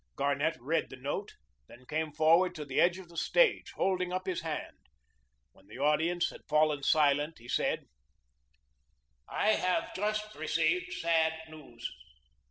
Garnett read the note, then came forward to the edge of the stage, holding up his hand. When the audience had fallen silent he said: "I have just received sad news.